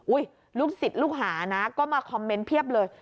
ลูกศิษย์ลูกหานะก็มาคอมเมนต์เพียบเลย